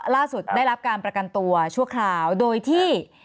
ได้รับการประกันตัวชั่วคราวโดยที่